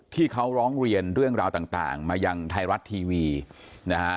ที่เขาร้องเรียนเรื่องราวต่างมายังไทยรัฐทีวีนะฮะ